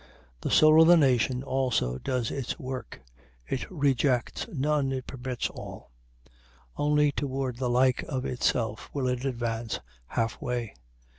The soul of the nation also does its work. It rejects none, it permits all. Only toward the like of itself will it advance half way.